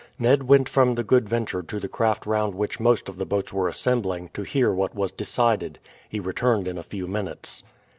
Ned went from the Good Venture to the craft round which most of the boats were assembling to hear what was decided. He returned in a few minutes.